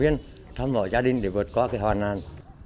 đồng ý thăm hỏi gia đình để vượt qua hoàn nạn